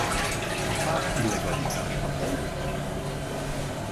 A párt illegalitásba vonult.